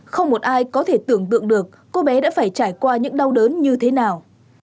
không một ai có thể tưởng tượng được cô bé đã phải trải qua những đau đớn như thế nào